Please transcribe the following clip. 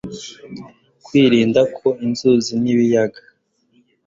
kwirinda ko inzuzi n'ibiyaga